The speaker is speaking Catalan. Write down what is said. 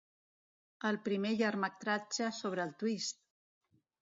El primer llargmetratge sobre el twist!